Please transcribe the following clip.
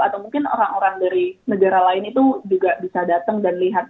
atau mungkin orang orang dari negara lain itu juga bisa datang dan lihat